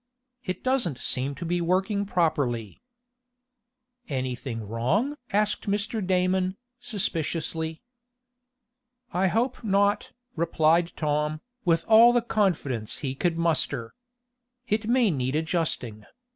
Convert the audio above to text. It doesn't seem to be working properly." "Anything wrong?" asked Mr. Damon, suspiciously. "I hope not," replied Tom, with all the confidence he could muster. "It may need adjusting.